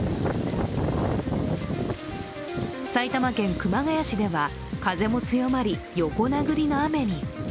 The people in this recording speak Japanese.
埼玉県熊谷市では風も強まり横殴りの雨に。